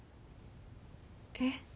えっ？